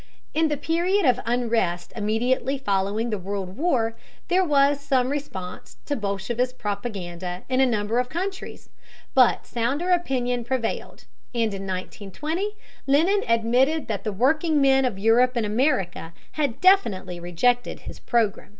In the period of unrest immediately following the World War there was some response to bolshevist propaganda in a number of countries, but sounder opinion prevailed, and in 1920 Lenin admitted that the workingmen of Europe and America had definitely rejected his program.